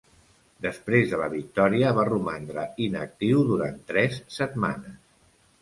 Després de la victòria va romandre inactiu durant tres setmanes.